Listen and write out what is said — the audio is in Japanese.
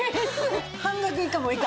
半額以下も以下。